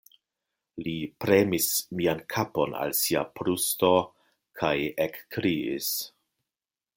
Li premis mian kapon al sia brusto kaj ekkriis: